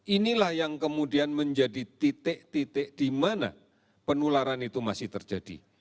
inilah yang kemudian menjadi titik titik di mana penularan itu masih terjadi